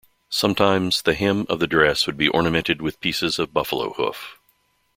Sometimes the hem of the dress would be ornamented with pieces of buffalo hoof.